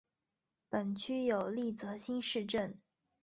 本区有立泽新市镇。